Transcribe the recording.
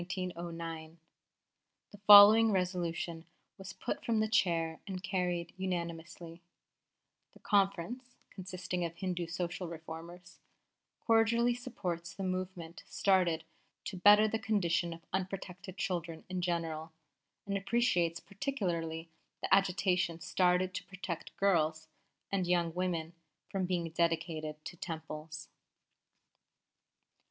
_ "The following resolution was put from the chair and carried unanimously: 'The Conference (consisting of Hindu Social Reformers) cordially supports the movement started to better the condition of unprotected children in general, and appreciates particularly the agitation started to protect girls and young women from being dedicated to Temples.'"